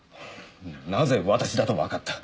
なぜ私だとわかった？